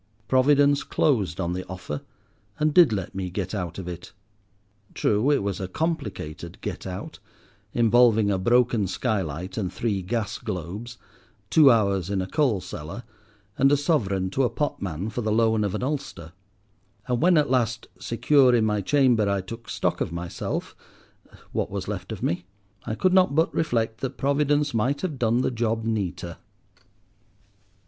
Providence closed on the offer, and did let me get out of it. True, it was a complicated "get out," involving a broken skylight and three gas globes, two hours in a coal cellar, and a sovereign to a potman for the loan of an ulster; and when at last, secure in my chamber, I took stock of myself—what was left of me,—I could not but reflect that Providence might have done the job neater.